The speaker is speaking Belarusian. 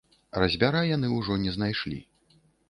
Разьбяра яны ўжо не знайшлі.